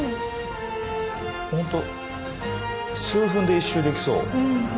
ホント数分で１周できそう。